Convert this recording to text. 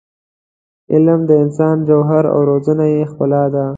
علم د انسان جوهر او روزنه یې ښکلا ده.